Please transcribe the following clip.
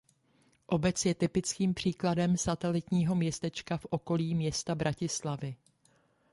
Obec je typickým příkladem satelitního městečka v okolí města Bratislavy.